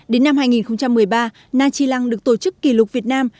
đến năm hai nghìn một mươi ba na trí lăng được tổ chức kỷ lục việt nam